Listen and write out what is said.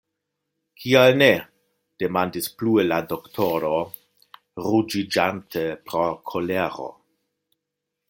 Kial ne? demandis plue la doktoro, ruĝiĝante pro kolero.